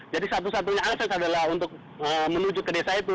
jadi satu satunya akses adalah untuk menuju ke desa itu